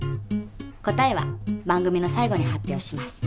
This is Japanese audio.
答えは番組の最後に発表します。